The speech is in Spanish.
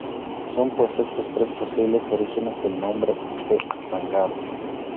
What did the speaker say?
Son pues estos tres posibles orígenes del nombre de Azángaro.